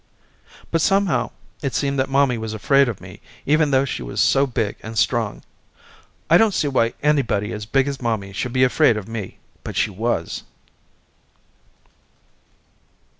But somehow it seemed that mommy was afraid of me even though she was so big and strong. I don't see why anybody as big as mommy should be afraid of me but she was.